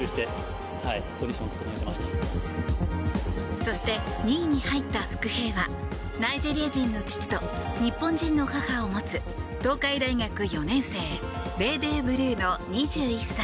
そして２位に入った伏兵はナイジェリア人の父と日本人の母を持つ東海大学４年生デーデー・ブルーノ、２１歳。